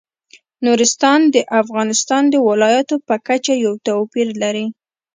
نورستان د افغانستان د ولایاتو په کچه یو توپیر لري.